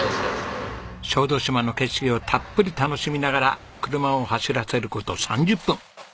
小豆島の景色をたっぷり楽しみながら車を走らせる事３０分。